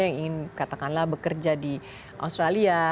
yang ingin katakanlah bekerja di australia